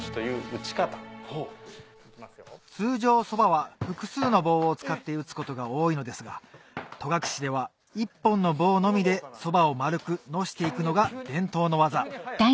通常そばは複数の棒を使って打つことが多いのですが戸隠では一本の棒のみでそばを丸くのしていくのが伝統の技